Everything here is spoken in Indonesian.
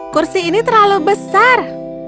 kursi ini terlalu besar